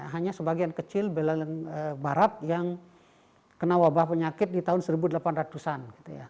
hanya sebagian kecil belalen barat yang kena wabah penyakit di tahun seribu delapan ratus an